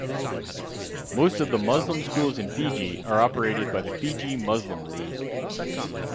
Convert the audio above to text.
Most of the Muslim schools in Fiji are operated by the Fiji Muslim League.